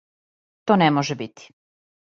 То не може бити!